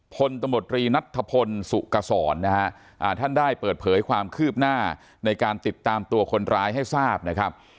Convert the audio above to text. พลตำรวจรีนัทธพลสุกษรนะฮะท่านได้เปิดเผยความคืบหน้าในการติดตามตัวคนร้ายให้ทราบนะครับ